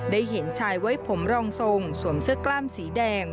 ได้เห็นชายไว้ผมรองทรงสวมเสื้อกล้ามสีแดง